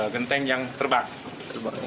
genteng yang terbang